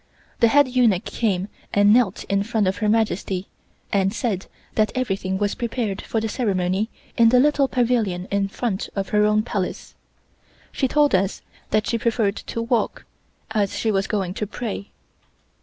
The head eunuch came and knelt in front of Her Majesty and said that everything was prepared for the ceremony in the little pavilion in front of her own palace. She told us that she preferred to walk, as she was going to pray.